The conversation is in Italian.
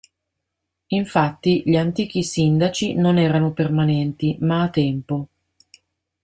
Infatti, gli antichi sindaci non erano permanenti, ma a tempo.